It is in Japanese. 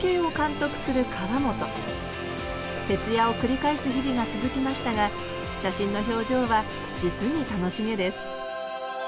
徹夜を繰り返す日々が続きましたが写真の表情は実に楽しげです